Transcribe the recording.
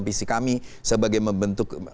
misi kami sebagai membentuk